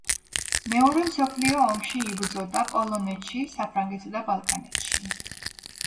მეორე მსოფლიო ომში იბრძოდა პოლონეთში, საფრანგეთსა და ბალკანეთში.